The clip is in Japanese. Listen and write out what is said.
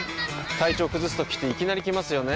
体調崩すときっていきなり来ますよね。